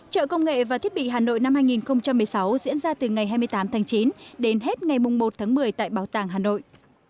trợ công nghệ và thiết bị hà nội năm hai nghìn một mươi sáu diễn ra từ ngày hai mươi tám tháng chín đến hết ngày một tháng một mươi tại bảo tàng hà nội